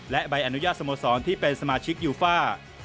และใบอนุญาตสโมสรที่เป็นสมาชิกยูฟ่า